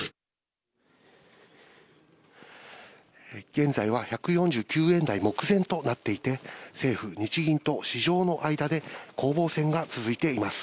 現在は１４９円台目前となっていて、政府・日銀と市場の間で攻防戦が続いています。